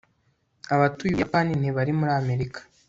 abatuye ubuyapani ntibari muri amerika